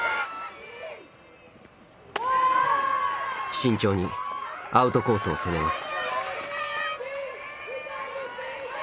慎重にアウトコースを攻めます。